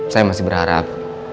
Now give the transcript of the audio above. saya masih berharap